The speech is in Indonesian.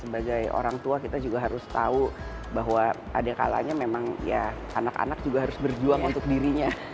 sebagai orang tua kita juga harus tahu bahwa ada kalanya memang ya anak anak juga harus berjuang untuk dirinya